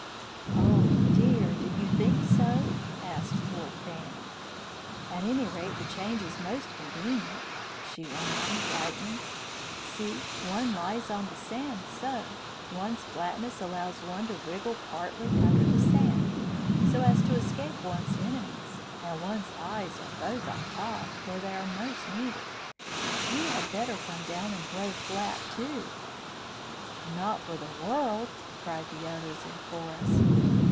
"Oh, dear, do you think so?" asked poor Fanny. "At any rate, the change is most convenient," she went on, brightening. "See one lies on the sand, so. One's flatness allows one to wriggle partly under the sand, so as to escape one's enemies; and one's eyes are both on top, where they are most needed. You had better come down and grow flat, too." "Not for the world!" cried the others in chorus.